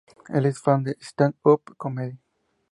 Él es fan del Stand-Up Comedy.